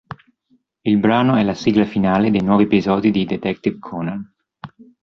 Il brano è la sigla finale dei nuovi episodi di Detective Conan.